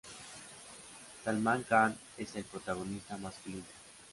Salman Khan es el protagonista masculino.